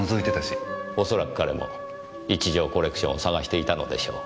恐らく彼も一条コレクションを探していたのでしょう。